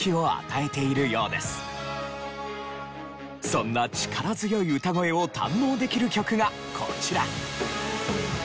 そんな力強い歌声を堪能できる曲がこちら。